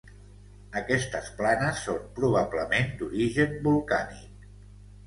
Aquestes planes són probablement d'origen volcànic.